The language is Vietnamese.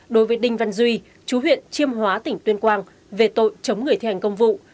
đối với đinh văn duy chú huyện chiêm hóa tỉnh tuyên quang về tội chống người thi hành công vụ